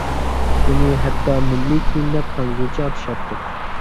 بۇنى ھەتتا مىللىي كىيىم دەپ خەنزۇچە ئاتىشاتتۇق.